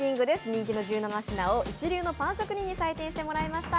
人気の１７品を一流のパン職人に採点してもらいました。